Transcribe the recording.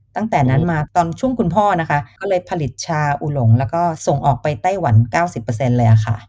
ตั้งแต่นั้นมาตอนช่วงคุณพ่อนะคะก็เลยผลิตชาอุหลงแล้วก็ส่งออกไปไต้หวัน๙๐เลยค่ะ